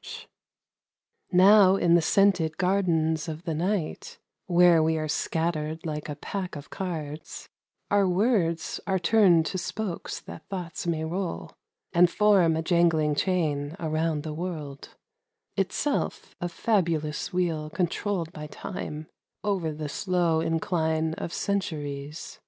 — Wheels. Now iu the scented gardens of the night, Where we are scattered like a pack of cards, Our words are turned to spokes that thoughts may roll And form a jangling chain around the world, {Itself a fabulous wheel controlled by Time Over the slow incline of centuries.)